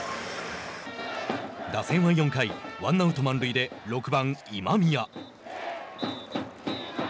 打線は４回、ワンアウト満塁で６番今宮。